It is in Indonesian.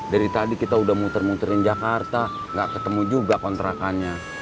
dari tadi kita udah muter muterin jakarta nggak ketemu juga kontrakannya